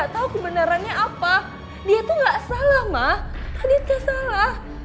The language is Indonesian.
tadi dia salah